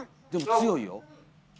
でも強いよ。